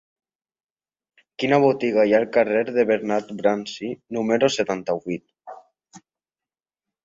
Quina botiga hi ha al carrer de Bernat Bransi número setanta-vuit?